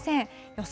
予想